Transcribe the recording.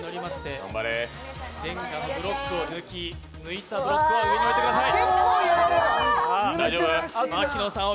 ジェンガのブロックを抜き、抜いたブロックを上に置いてください。